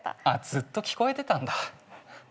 ずっと聞こえてたんだ。